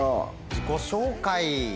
自己紹介